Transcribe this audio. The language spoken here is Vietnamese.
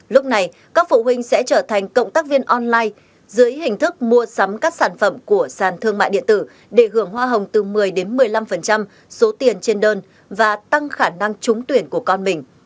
lúc này các phụ huynh sẽ trở thành cộng tác viên online dưới hình thức mua sắm các sản phẩm của sàn thương mại điện tử để hưởng hoa hồng từ một mươi một mươi năm số tiền trên đơn và tăng khả năng trúng tuyển của con mình